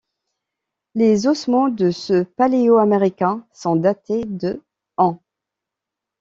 Les ossements de ce paléoaméricain sont datés de ans.